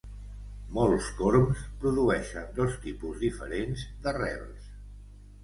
Molts corms produeixen dos tipus diferents de rels.